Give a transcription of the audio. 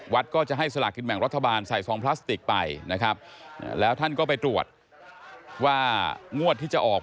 ก็จะให้สลากินแบ่งรัฐบาลใส่ซองพลาสติกไปนะครับแล้วท่านก็ไปตรวจว่างวดที่จะออก